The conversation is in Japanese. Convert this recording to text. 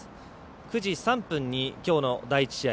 ９時３分にきょうの第１試合